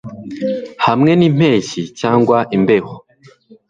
Hamwe n'impeshyi cyangwa imbeho